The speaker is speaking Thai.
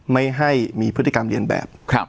ไม่ให้มีพฤติกรรมเรียนแบบ